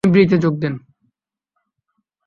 তিনি ব্রিতে যোগ দেন।